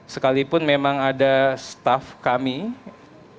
sekalipun memang ada staffnya yang berada di kpu ini